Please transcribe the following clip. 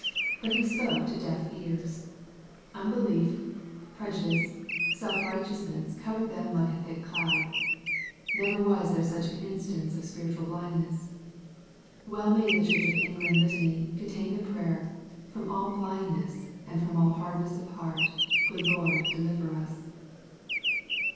/ But He spoke to deaf ears. Unbelief, prejudice, self right^ eousness covered them like a thick cloud. Never was there such an instance of spiritual blindness. Well may the Church of England litany contain the prayer, " From all blindness, — and from hardness of heart, Good Lord deliver us."